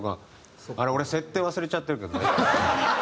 あれ俺設定忘れちゃってるけど大丈夫？